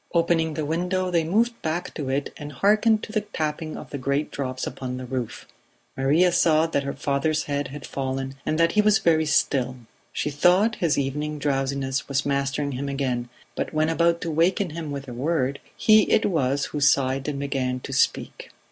Opening the window they moved back to it and hearkened to the tapping of the great drops upon the roof. Maria saw that her father's head had fallen, and that he was very still; she thought his evening drowsiness was mastering him again, but when about to waken him with a word, he it was who sighed and began to speak.